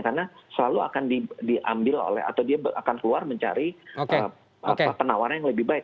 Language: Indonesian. karena selalu akan diambil oleh atau dia akan keluar mencari penawarannya yang lebih baik